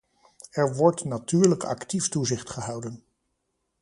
Er wordt natuurlijk actief toezicht gehouden.